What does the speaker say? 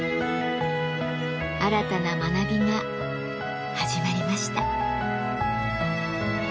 新たな学びが始まりました。